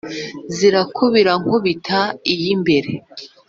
zirakubira nku bita iy’imbere